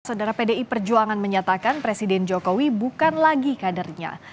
saudara pdi perjuangan menyatakan presiden jokowi bukan lagi kadernya